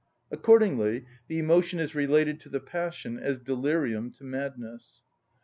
Accordingly the emotion is related to the passion as delirium to madness.